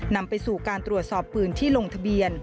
นำไปสู่การตรวจสอบปืนที่ลงทะเบียน